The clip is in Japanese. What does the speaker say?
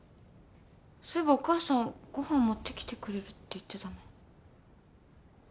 そういえばお母さんご飯持って来てくれるって言ってたのに。